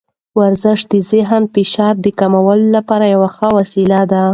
ورزش د ذهني فشار د کمولو لپاره یوه ښه وسیله ده.